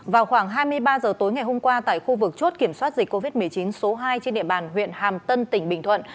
vào khoảng hai mươi ba h tối ngày hôm qua tại khu vực chốt kiểm soát dịch covid một mươi chín số hai trên địa bàn huyện hàm tân tỉnh bình thuận